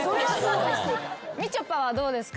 みちょぱはどうですか？